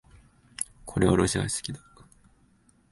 これはロシア式だ